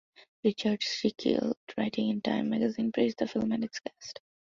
Richard Schickel, writing in "Time" magazine praised the film and its cast.